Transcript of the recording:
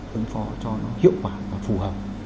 cơ phó cho nó hiệu quả và phù hợp